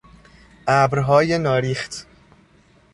ابرهای ناریخت